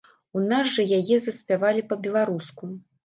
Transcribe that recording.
У нас жа яе заспявалі па-беларуску.